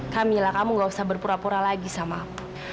kamila kamu gak usah berpura pura lagi sama aku